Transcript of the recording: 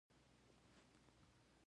که تاسو اوس د الماسو سیمې ته لاړ شئ.